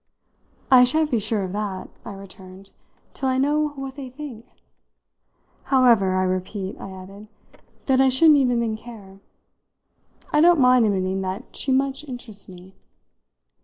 "I shan't be sure of that," I returned, "till I know what they think! However, I repeat," I added, "that I shouldn't even then care. I don't mind admitting that she much interests me."